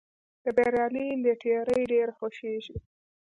د بریالي لټیري ډېر خوښیږي.